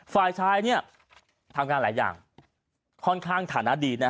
ฝ่ายชายเนี่ยทำงานหลายอย่างค่อนข้างฐานะดีนะฮะ